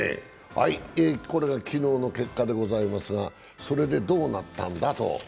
これが昨日の結果でございますが、それでどうなったんだと。